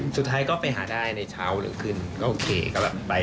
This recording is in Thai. สุดท้ายก็ไปหาได้ในเช้าหรือขึ้นก็โอเคก็แบบไป